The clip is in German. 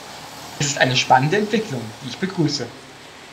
Es ist eine spannende Entwicklung, die ich begrüße.